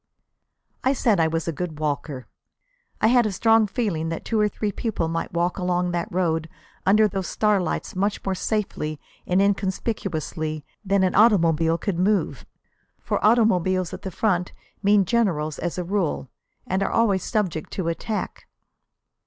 I said I was a good walker. I had a strong feeling that two or three people might walk along that road under those starlights much more safely and inconspicuously than an automobile could move. For automobiles at the front mean generals as a rule, and are always subject to attack.